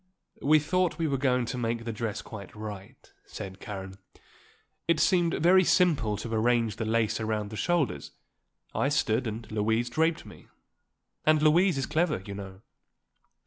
"We thought we were going to make the dress quite right," said Karen. "It seemed very simple to arrange the lace around the shoulders; I stood and Louise draped me; and Louise is clever, you know."